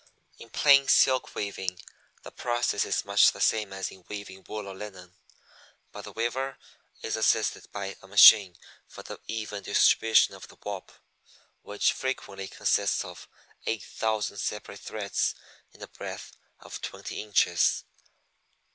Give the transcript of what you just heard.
In plain silk weaving the process is much the same as in weaving wool or linen, but the weaver is assisted by a machine for the even distribution of the warp, which frequently consists of eight thousand separate threads in a breadth of twenty inches.